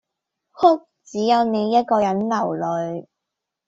哭，只有你一個人流淚